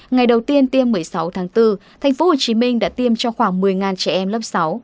ngày đầu tiên tiêm một mươi sáu tháng bốn tp hcm đã tiêm cho khoảng một mươi trẻ em lớp sáu